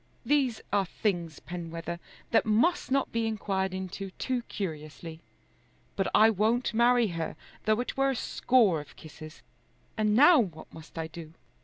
These are things, Penwether, that must not be inquired into too curiously. But I won't marry her though it were a score of kisses. And now what must I do?"